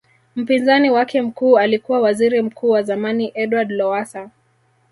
Mpinzani wake mkuu alikuwa Waziri Mkuu wa zamani Edward Lowassa